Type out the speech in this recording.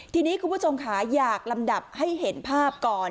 ทีนี้คุณผู้ชมค่ะอยากลำดับให้เห็นภาพก่อน